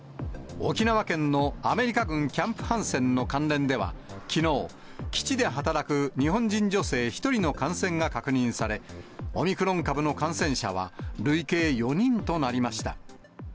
沖縄県のアメリカ軍キャンプ・ハンセンの関連では、きのう、基地で働く日本人女性１人の感染が確認され、オミクロン株の感染者は累計４人となりました。